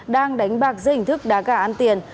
đang đánh bạc dây hình thức đá gà ăn tiền